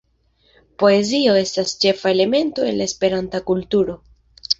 Poezio estas ĉefa elemento en la Esperanta kulturo.